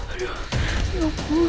aduh ya ampun